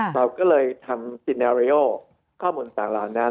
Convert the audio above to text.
เราก็เลยทำซินาเรโอข้อมูลต่างเหล่านั้น